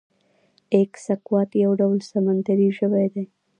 ایکسکوات یو ډول سمندری ژوی دی